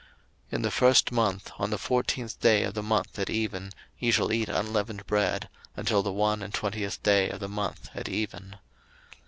02:012:018 In the first month, on the fourteenth day of the month at even, ye shall eat unleavened bread, until the one and twentieth day of the month at even.